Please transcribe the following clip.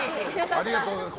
ありがとうございます。